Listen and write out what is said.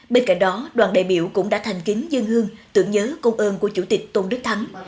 bên cạnh đó đoàn đại biểu cũng đã thành kính dân hương tưởng nhớ công ơn của chủ tịch tôn đức thắng